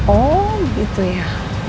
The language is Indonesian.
oh gitu ya